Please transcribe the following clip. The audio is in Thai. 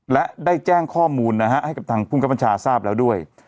และได้แจ้งข้อมูลนะฮะให้กับทางภูมิกับบัญชาทราบแล้วด้วย